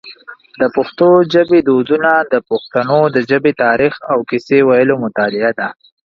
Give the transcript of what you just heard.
د پښتو ژبی دودونه د پښتنو د ژبی تاریخ او کیسې ویلو مطالعه ده.